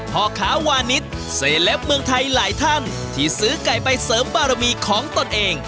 พ่อค้าวานิสเซเลปเมืองไทยหลายท่านที่ซื้อไก่ไปเสริมบารมีของตนเอง